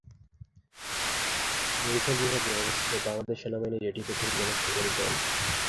বরিশাল বিভাগে অবস্থিত বাংলাদেশ সেনাবাহিনীর এটিই প্রথম কোন সামরিক দল।